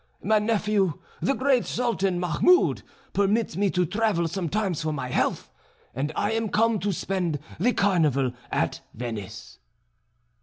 My nephew, the great Sultan Mahmoud, permits me to travel sometimes for my health, and I am come to spend the Carnival at Venice."